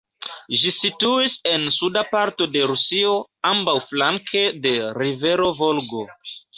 Ĝi situis en suda parto de Rusio ambaŭflanke de rivero Volgo.